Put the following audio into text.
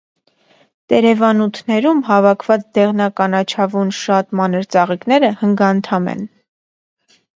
Տերևանութներում հավաքված դեղնականաչավուն, շատ մանր ծաղիկները հնգանդամ են։